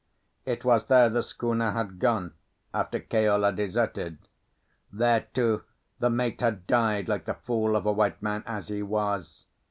It was there the schooner had gone after Keola deserted; there, too, the mate had died, like the fool of a white man as he was.